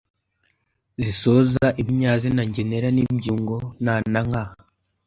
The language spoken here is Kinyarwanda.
zisoza ibinyazina ngenera n’ibyungo “na” na “nka”.